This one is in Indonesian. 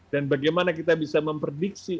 bagaimana kita bisa memprediksi